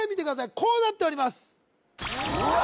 こうなっておりますうわっ！